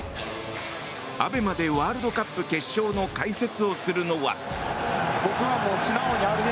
ＡＢＥＭＡでワールドカップ決勝の解説をするのは。